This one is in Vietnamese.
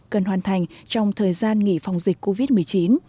cần hoàn thành trong thời gian nghỉ phòng dịch covid một mươi chín